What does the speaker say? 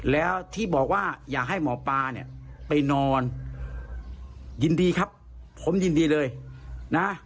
แล้วที่บอกว่าอย่าให้หมอปลาเนี่ยไปนอนยินดีครับผมยินดีเลยนะ